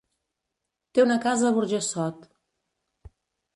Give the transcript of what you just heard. Té una casa a Burjassot.